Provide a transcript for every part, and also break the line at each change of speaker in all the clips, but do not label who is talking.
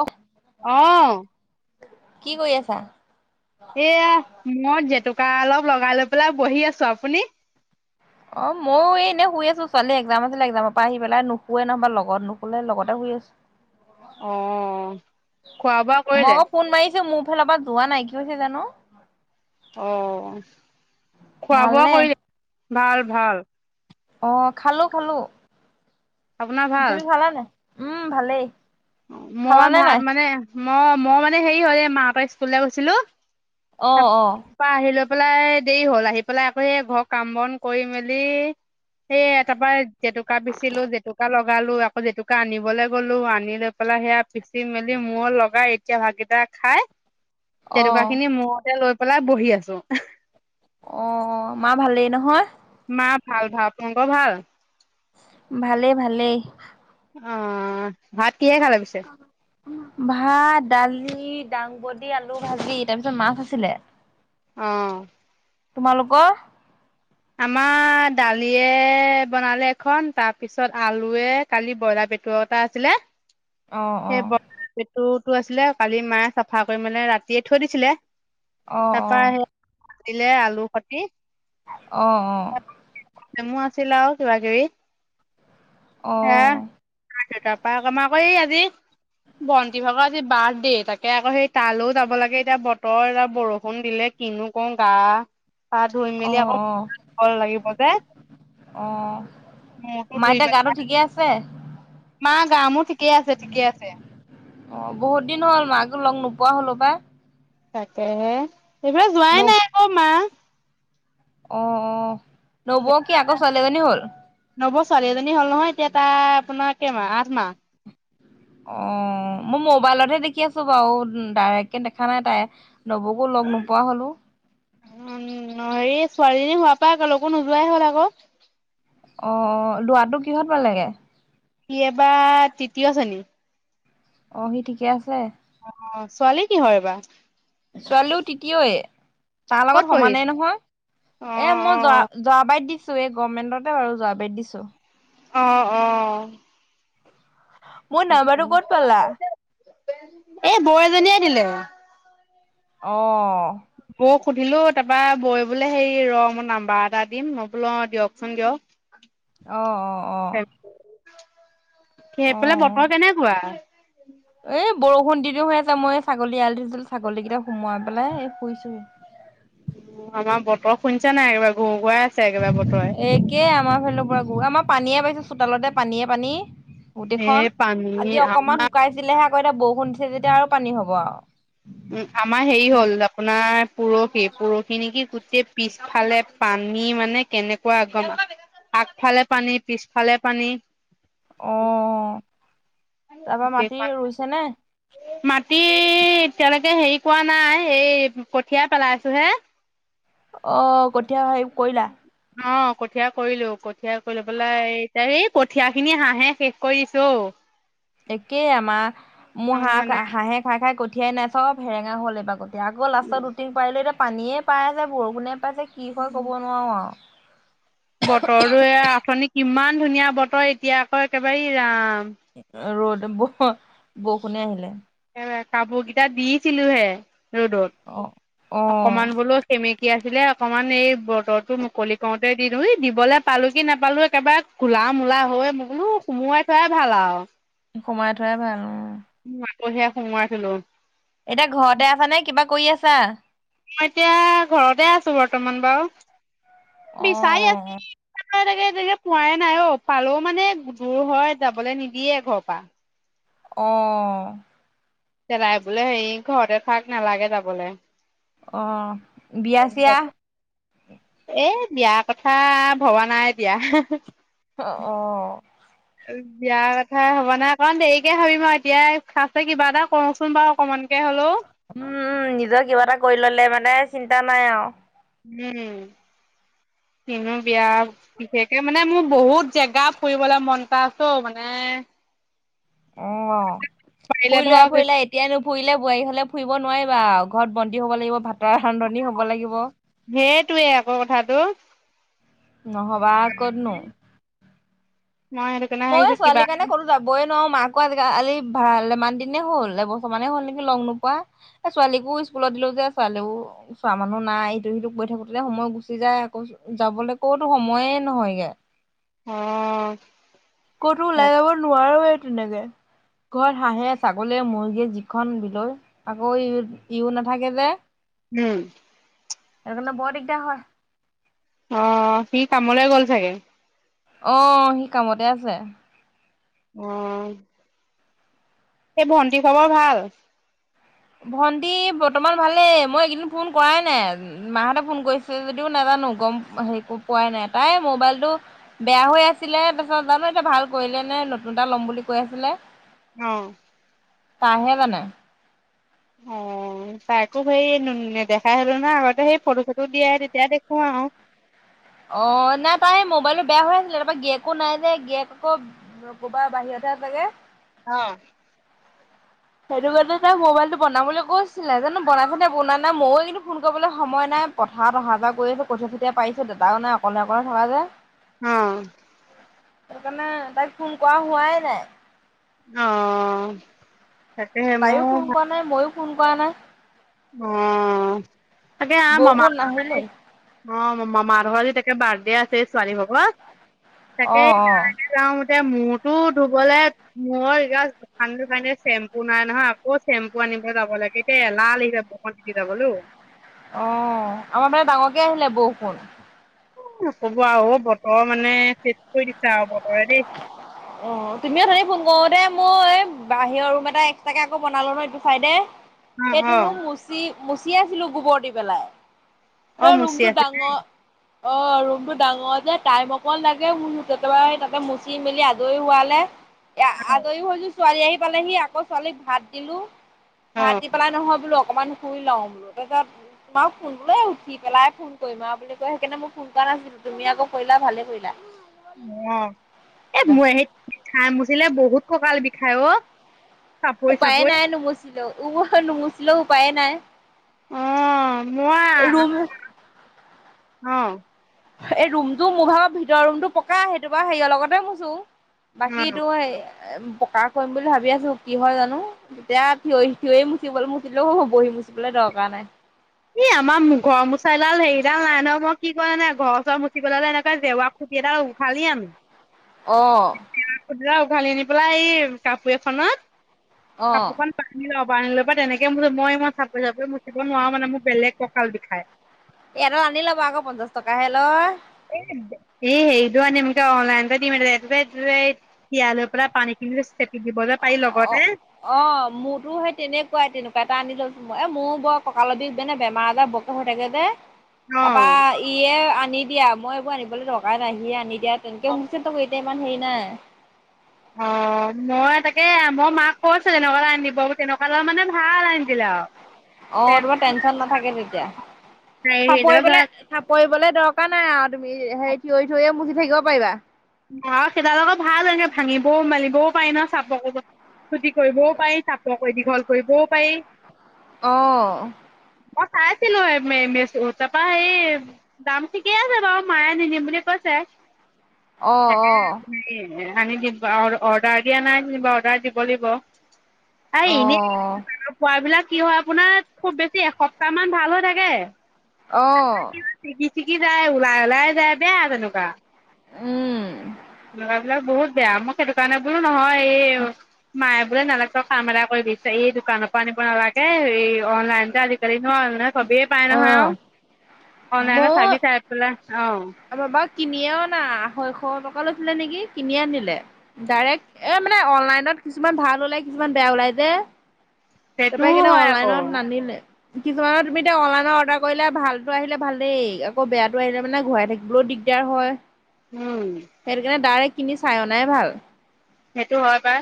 অ'।
অ'।
কি কৰি আছা
এয়া মই জেতুকা অলপ লগাই লৈ পেলাই বহি আছো আপুনি
অ ময়ো এনেই শুই আছো ছোৱালীৰ একজাম আছিলে একজামৰ পৰা আহি নুশুৱে নহল বা লগত নুশুৱে লগতে শুই আছো
অ' খোৱা বোৱা
মই
কৰিলে?
আকৌ ফোন মায়িছোঁ মুব ইফালৰ পৰা যোৱা নাই কি হৈছে জানো।
অ' খোৱা বোৱা
ভালনে?
কৰিলে? ভাল ভাল।
অ' খালো খালো।
আপোনাৰ ভাল?
তুমি খালা নে? উম ভালেই।
মই
খালানে
ভাত
নাই?
মানে মই মই মানে হেৰি হল এ মাহঁতৰ স্কুলে গৈছিলো।
অ', অ'।
তা আহি লৈ পেলাই দেৰি হ'ল আহি পেলাই আকৌ সেই ঘৰ কাম বন কৰি মেলি। এ তাৰ পৰা জেতুকা পিচিলো জেতুকা লগালো আকৌ জেতুকা আনিবলে গলো আনিলে সফালা সেয়া পিচি মেলি মূৰত লগাই এতিয়া ভাতকিটা খাই
অ
জেতুকাখিনি মূৰতে লৈ পেলাই বহি আছো।
অ' মা ভালেই নহয়?
মা ভাল ভাল তোমালোকৰ ভাল?
ভালেই ভালেই।
অ' ভাত কিহে খালা পিছে?
ভাত দালি দাংবডী আলু ভাজি তাৰ পিছত মাছ আছিলে।
অ'।
তোমালোকৰ?
আমাৰ দালিয়ে বনালে এখন তাৰপিছত আলুয়ে কালি বইলাৰ পেটো এটা আছিলে।
অ অ
সেই বৰুটো পেটোটো আছিলে কালি মায়ে চাফা কৰি মেলে ৰাতিয়ে থৈ দিছিলে।
অ অ
তাৰপা সেই
অ
কতিলে আলু সতি।
অ', অ'।
নেমু আছিল আৰু কিবা কিবি।
অ'।
তাৰপা কমা কৰি আজি বন্তি ভাগৰ আজি বাৰ্থ দে তাকে আকৌ সেই তালও যাব লাগে এতিয়া বতৰ এটা বৰষুণ দিলে কিনো কও গা পা ধুই
অ অ
মেলি আকৌ
অ
ভৰ লাগিব যে। মূৰতো
অ' মাৰ
ধুই
এতিয়া
পেলাই
গাটো ঠিকে আছে?
মা গা মোৰ ঠিকে আছে ঠিকে আছে।
অ' বহুত দিন হ'ল মাকো লগ নোপোৱা হলো পাই।
তাকেহে, হেইফালে
ন
যোৱাই নাই আকৌ মা।
অ', অ', নবৌ কি আকৌ ছোৱালী এজনী হ'ল?
নব ছোৱালী এজনী হ'ল নহয় এতিয়া তাৰ আপোনাৰ কেইমাহ আঠ মাহ।
অ মই মোবাইলতহে দেখি আছো বাৰু ডাইৰেক্ট কে দেখা নাই তাই নবৌকো লগ নোপোৱা হলো।
উম' হেই ছোৱালীজনী হোৱাৰ পৰা কলৌকো নোযোৱাই হ'ল আক।
অ অ লোৱাটো কিহত পালেগে?
সি এবা তৃতীয় শ্ৰেণী।
অ সি ঠিকেই আছে।
অঁ' ছোৱালী কিহত এবা?
ছোৱালীও তৃতীয়ই তাৰ
ক'ত
লগত
পঢ়ি
সমানে নহয়
অ
এ মই যৱা- যৱাবাইত দিছো এই গভমেণ্টতে বাৰু যৱাবাইত দিছো।
অঁ অঁ'
মোৰ নাম্বাৰটো ক'ত পালা?
এ বৌ এজনীয়ে দিলে।
অঁ'
বৌক সুধিলো তাপ বৌৱে বোলে হেৰি ৰ মই নাম্বাৰ এটা দিম, ময় বোলো অ' দিয়কচোন দিয়ক। [inaudible]
অ অ' অ',
সেইফালে বতৰ কেনেকুৱা?
এই বৰষুণ দিও দিও হৈ আছে মই এ ছাগলী এয়াল দিছিলো ছাগলীগেইটা সোমোৱাই পেলাই এ শুইছোহি।
উম আমাৰ বতৰ শুনিছা নাই একেবাৰে ঘুৰঘুৰাই আছে একেবাৰে বতৰে।
একে আমাৰ ফালৰৰ পৰা গো আমাৰ পানীয়ে বাইছে চোতালতে পানীয়ে পানী।
এ
গোটেইখন
পানী
আজি অকমান শুকাইছিলেহে আকৌ এতিয়া বৰষুণ দিছে যেতিয়া আৰু পানী হব আও।
উম' আমাৰ হেৰি হ'ল দাপ- আপোনাৰ পুৰহি পুৰহি নেকি গোটেই পিছফালে পানী মানে কেনেকুৱা আগম- আগফালে পানী পিছফালে পানী।
অঁ' তাপা মাটি
গোটেইখন
ৰুইছে নে?
মাটি এতিয়ালেকে হেৰি কৰোৱা নাই সেই কঠিয়াই পেলাইছো হে।
অ কঠীয়া হেৰি কৰিলা?
অঁ' কঠীয়া কৰিলো কঠীয়া কৰি লৈ পেলাই এতিয়া এই কঠীয়া খিনি হাঁহে শেষ কৰি দিছে অও'। [unintelligible]
একেই আমা মোৰ হাঁহ হাঁহে খাই খাই কঠিয়াই নাই চব হেৰেঙা হ'ল এইবাৰ গছ। এতিয়া আকৌ লাষ্টত দুটিং পাৰিলোঁ এতিয়া পানীয়ে পায় আছে বৰষুণেই পাই আছে কি হয় ক'ব নোৱাৰু আও।
বতৰটো এই আ অথনি কিমান ধুনীয়া বতৰ এতিয়া আকৌ একেবাৰে এই ৰাম।
ৰ'দ ব বৰষুণে আহিলে।
কাপোৰ গিটা দিছিলো হে
অ অ
ৰ'দত অকমান বোলো- সেমেকী আছিলে অকমান এই বতৰটো মুকলি কৰোতে দি দিওঁ, এই দিবলে পালো কি নাপালো একেবাৰে- কোলা মূলা হৈ মো বোলো সুমোৱাই থোৱাই ভাল আও।
সোমাই থোৱাই ভাল উম'।
আকৌহে সোমোৱাই থলো।
এতিয়া ঘৰতে আছা নে কিবা কৰি আছা?
মই এতিয়া ঘৰতে আছো বৰ্তমান বাৰু,
অ
বিচাৰি আছো। এনেকে এনেকে পোৱাই নাই অও' পালো মানে দূৰ হয় যাবলে নিদিয়ে ঘৰৰ পা।
অঁ'
চেলাই বোলে হেৰি ঘৰতে থাক নালাগে যাবলে।
অঁ' বিয়া চিয়া।
এ বিয়া কথা ভবা নাই এতিয়া।
অ অ'
[unintelligible] বিয়াৰ কথা হব নাই অকণ দেৰিকে ভাবিম আৰু এতিয়া ফাষ্ট কিবা এটা কৰোচোন বাৰু অকমানকে হলেও
উম উম নিজৰ কিবা এটা কৰি ললে মানে চিন্তা নাই আৰু
উম কিনো বিয়া বিশেষকে মানে মোৰ বহুত যে জেগা ফুৰিবলে মন এটা আছে অও মানে
অ
পাৰিলে
ফুৰি লোৱা
ধৰক
ফুৰি লোৱা এতিয়া নুফুৰিলে বোৱাৰী হ'লে ফুৰিব নোৱাৰিবা আও ঘৰত বন্দী হ'ব লাগিব ভাতৰ ৰান্ধনী হ'ব লাগিব
সেইটোৱেই আকৌ কথাটো
নহ'বা আ ক'তনো
মই এইটোক
মই ছোৱালী কাৰণে কৰোঁ যাবই নোৱাৰো মাকো আজিকালি ভালেমান দিনেই হ'ল এবছৰ মানেই হ'ল নেকি লগ নোপোৱা ছোৱালীকো স্কুলত দিলোঁ যে ছোৱালীও চোৱা মানুহ নাই ইটো সিটো কৰি থাকোতে সময় গুচি যায় আকৌ যাবলৈ ক'তো সময়ে নহয়গৈ
অহ
ক'তো ওলাই যাব নোৱাৰো তেনেকে ঘৰত হাঁহে ছাগলীয়ে মুৰ্গীৰে যিখন বিলৈ আকৌ ই ইয়ো নাথাকে যে
উম
সেইকাৰণে বৰ দিগদাৰ হয়
অ সি কামলৈ গ'ল চাগে
অ সি কামতে আছে
উম সেই ভণ্টি খবৰ ভাল
ভন্টি বৰ্তমান ভালেই মই এইকেইদিন ফোন কৰাই নাই মাহঁতে ফোন কৰিছে যদিও নাজানো গম হেৰি পোৱাই নাই তাই মোবাইলটো বেয়া হৈ আছিলে তাৰপিছত জানো এতিয়া ভাল কৰিলে নে নতুন এটা ল'ম বুলি কৈ আছিলে
অহ
তাইহে জানে
অহ তাইকো সেই নেদেখাই হ'লো নহয় আগতে সেই ফটো চটো দিয়ে তেতিয়া দেখো আৰু
অ নাই তাই মোবাইলটো বেয়া হৈ আছিলে তাৰপৰা গিৰীয়কো নাই যে গিৰীয়েক আকৌ ক'ৰবা বাহিৰতহে আছে গৈ
অহ
সেইটো কাৰণে তাই মোবাইলটো বনাবলৈ গৈছিলে জানো বনাইছে নে বনুৱা নাই ময়ো এইকেইদিন ফোন কৰিবলৈ সময় নাই পথাৰত অহা যোৱা কৰি আছোঁ কঠীয়া চঠীয়া পাৰিছে দেতাও নাই অকলে অকলে থকা যে
অহ
সেইটোকাৰণে তাইক ফোন কৰা হোৱাই নাই
অহ
তাইও ফোন কৰা নাই মইয়ো ফোন কৰা নাই
অ তাকে আ [unintelligible] মমা
বৰষুণ
ভ
নাহিলেই।
অ মামাহঁতৰ ঘৰ তাতে বাৰ্থডে আছে ছোৱালী ভাগৰ তাকে
অ', অ',
যাওঁ এতিয়া মূৰতো ধুবলে মই আনি থোৱা যে চেম্পু নাই নহয় আকৌ চেম্পু আনিব যাব লাগে এতিয়া এলাহ লাগিছে বৰষুণ তিতি যাবলেও
অ আমাৰ ফালে ডাঙৰকে আহিলে বৰষুণ
নক'ব আৰু অ বতৰ মানে শেষ কৰি দিছে আৰু বতৰে দেই
অ তুমি উঠনি ফোন কৰোঁতে মই বাহিৰৰ ৰুম এটা এক্সট্ৰাকে আকৌ বনালো নহয় এইটো চাইডে।
অ',
সেইটো
অ',
ৰুম মুচি মুচি আছিলো গোবৰ দি পেলাই।
অ',
তেঁও
মুচি
ৰুমটো
আছে
ডাঙৰ। অ ৰুমটো ডাঙৰ যে টাইম অকণ লাগে মুচোতে তাপা তাতে মুচি মিলি আজৰি হোৱালে এ আজৰি হৈ ছোৱালী আহি পালেহি আকৌ ছোৱালীক ভাত দিলোঁ ভাত
অ',
দি পেলাই নহয় বোলো অকমান শুই লওঁ বোলো তাৰপিছত তোমাৰ ফোনটো লৈ আহিছে। দি পেলাই ফোন কৰিম আৰু বুলি কৈ সেইকাৰণে মোক ফোন কৰা নাছিলো তুমি আকৌ কৰিলা ভালে কৰিলা।
অ এ মই সেই খাই মুচিলে বহুত ককাল বিষাই অ। চাপৰি
উপায়
চাপৰি
নাই নুমুছিলেও উ নুমুছিলেও উপায়ে নাই।
অ মই
ৰুম
অ
এই ৰুমটো মোহাৰো ভিতৰৰ ৰুমটো পকাই সেইটো বাৰু হেৰিয়ৰ লগতে মুচো। বাকীটো পকা কৰিম বুলি ভাবি আছো কি হয় জানো তেতিয়া থিয় থিয়ই মুচিবলৈ মুচিলেও হব বহি মুচিবলে দৰকাৰ নাই।
ই আমাৰ ঘৰ মুচাইডাল হেৰিডাল নাই নহয় মই কি ক নাই ঘৰ চৰ মুচিব ললে এনেকোৱা জেউৱা খুঁটি এডাল উঘালি আনো।
অঁ।
খুঁটি এডাল উঘালি নি পেলাই এই কাপোৰ এখনত
অ',
কাপোৰ খন পানী লওঁ পানী লৈ পা তেনেকে মই মই চাপৰি চাপৰি মুচিব নোৱাৰো মানে মোৰ বেলেগ কঁকাল বিষায়।
এডাল আনি ল'বা আক পঞ্চাশ টকাহে লয়।
এ এই হেৰিটো আনিম ত অনলাইনতে দিম এইটোটে তিয়াই লৈ পেলাই পানীখিনি চেপি দিব যে পাৰি
অ',
লগতে।
অ মোৰতো সেই তেনেকুৱাই তেনেকুৱা এটা আনি লৈছো মই এ মোৰ বৰ ককালৰ বিষ বেমাৰ আজাৰ ব হৈ থাকে যে
অ
তাপা ইয়ে আনি দিয়া মই এইবোৰ আনিবলে দৰকাৰ নাই সিয়ে আনি দিয়া তেনেকে মুচি এতিয়া ইমান হেৰি নাই।
অ। মই তাকে মই মাক কৈছোঁ তেনেকুৱা এটা আনি দিব তেনেকুৱা এটা মানে ভাল আনি দিলে আও।
অ তোমাৰ টেনচন নাথাকে তেতিয়া
সেইডাল
চাপৰি
ধৰা
পেলাই চাপৰিবলে দৰকাৰ নাই আও তুমি সেই থিয়ই থিয়ই মুচি থাকিব পাৰিবা।
অ সেইডাল আক ভাল এনে ভাঙিবও মেলিবও পাৰি ন চাপ কৰিব চুটি কৰিবও পাৰি চাপ ক দীঘল কৰিবও পাৰি।
অঁ।
মই চাইছিলো মে মে তাপা হেৰি দাম ঠিকে আছে বাৰু মায়ে নিনিম বুলি কৈছে।
অ অ
হেৰি, আনি দিব, অৰ্ডাৰ দিয়া নাই যেনিবা অৰ্ডাৰ দিব লাগিব। আ এনে
অ',
খোৱা বিলাক কি হয় আপোনাৰ খুব বেছি এসপ্তাহ মান ভাল হৈ থাকে।
অঁ
চিটিকি যায় ওলাই ওলাই যায় বেয়া তেনেকুৱা।
উম।
লৰা বিলাক বহুত বেয়া মোক সেইটো কাৰণে বোলো নহয় এই মায়ে বোলে না কাম এটা কৰিবি এই দোকানৰ পৰা আনিব নালাগে এই অনলাইনতে আজিকালি ন চবেই পাই নহয়
অ',
আৱ অনলাইনত চাবি চাই পেলাই অ
আমা বাও কিনিয়ি অনা আঢ়ৈশ টকা লৈছিলে নেকি কিনি আনিলে ডাইৰেক্ট এ মানে অনলাইনত কিছুমান ভাল ওলাই কিছুমান বেয়া ওলাই যে তাপা
সেইটোও
সেইকাৰনে
হয় আকৌ
অনলাইনত নানিলে কিছুমানত তুমি এতিয়া অনলাইন অৰ্ডাৰ কৰিলে ভালটো আহিলে ভালেই আকৌ বেয়াটো আহিলে মানে ঘূৰাই থাকি বলো দিগদাৰ হয়
উম
সেইটো কাৰণে দাইৰেক্ কিনি চাই অনাই ভাল
সেইটো হয় পাই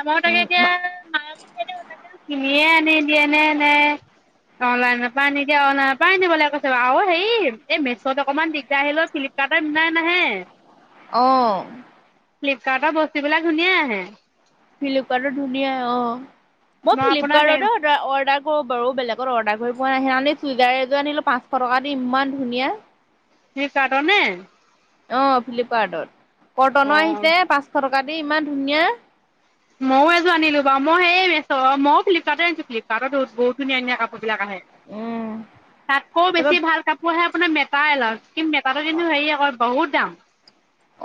আমাৰোঁ তাকে
উম
এতিয়া মায়ে মোক সেই কিনিয়ে আনি দিয়ে নে অনলাইনপা আনি দিয়ে ক অনলাইনপা আনি দিবলে কৈছে বাৱ অ হেই মেচত অকমান দিগদাৰ আহিলোঁ ফিলিপ কাতে মিলাই নাহে
অঁ
ফ্লিপকাৰ্টৰ বস্তু বিলাক ধুনীয়া আহে
ফ্লিপকাৰ্টত ধুনীয়া অ, মই
আপোনাক সেই
ফ্লিপকাৰ্টতে অৰ্ডাৰ কৰো বাৰু বেলেগত অৰ্ডাৰ কৰি পোৱা নাই হেনাখনি চুইজাৰ এযোৰ আনিলো পাঁচশ টকা দি ইমান ধুনীয়া
ফ্লিপকাৰ্ডৰ নে?
অ ফ্লিপকাৰ্টত কৰ্তন অ আহিছে পাঁচশ টকা দি ইমান ধুনীয়া
ময়ো এযো আনিলো বাঅ মও সেই মেচ মও ফ্লিপকাৰ্ট আনিছোঁ ফ্লিপকাৰ্টত ব বহুত ধুনীয়া ধুনীয়া কাপোৰ বিলাক আহে তাতকও
তাৰপা
বেছি ভাল কাপোৰ আহে আপোনাৰ মেটা এলাত কিন্তু মেতাটো কিন্তু হেৰি আক বহুত দাম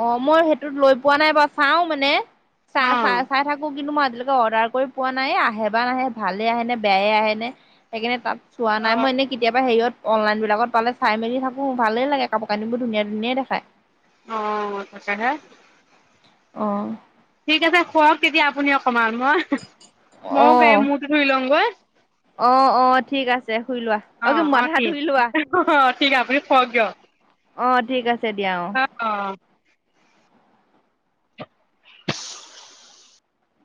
অ মই সেইটোত লৈ পোৱা নাই বাও চাও মানে চা ছা
অ',
চাই থাক কো কিন্তু মই আজিলৈকে অৰ্ডাৰ কৰি পোৱা নাই আহে বা নাহে ভালে আহেনে, বেয়াই আহেনে সেকাণে তাত চোৱা নাই
অ',
মই এনে কেতিয়াবা হেৰিয়ত অনলাইন বিলাকত পালে চাই মেলি থাকো ভালেই লাগে কাপোৰ কানিবোৰ ধুনীয়া ধুনীয়াই দেখায়
অ সঁচাকে
অ
ঠিক আছে শুৱক তেতিয়া আপুনি অকণমান মই ময়ো গা়
অ',
মূৰটো ধুই লওঁগৈ
অ অ ঠিক আছে শুই লোৱা অ কি মাথা ধুই লোৱা
অ ঠিক আপুনি শুৱক দিওক
অ ঠিক আছে দিয়া অ
অ [unintelligible]